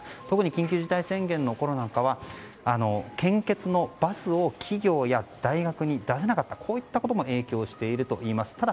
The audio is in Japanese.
特に緊急事態宣言のころなんかは献血のバスを企業や大学に出せなかったこういったことも影響しているといいます。